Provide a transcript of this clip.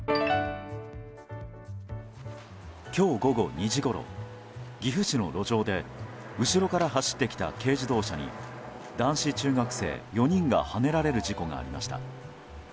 今日午後２時ごろ岐阜市の路上で後ろから走ってきた軽自動車に男子中学生４人がはねられる事故がありました。